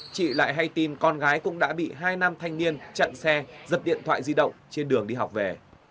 chị lại hay tìm con gái cũng đã bị hai nam thanh niên chặn xe giật điện thoại di động trên đường đi học về